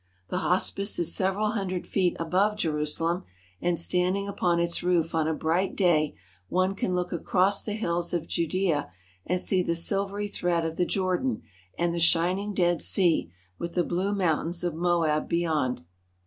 The hospice is several hundred feet above Jerusalem, and standing upon its roof on a bright day one can look across the hills of Judea and see the silvery thread of the Jordan and the shining Dead Sea with the blue mountains of Moab beyond.